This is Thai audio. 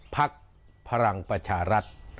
พักพลังประชารัฐ